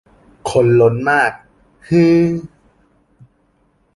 คนล้นมาก ฮือ